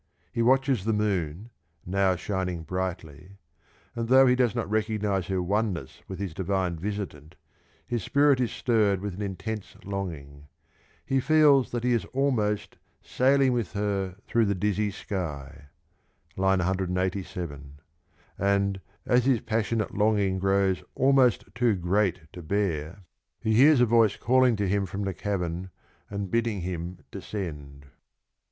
He watches the moon, now shining brightly, and though he does not recognise her oneness with his divine visitant, his spirit is stirred with an intense longing; he feels that he is almost " sailing with her through the dizzy sky " (187), and, as his passionate desire grows almost too great to bear, he hears a voice calling to him from the cavern and bidding him descend.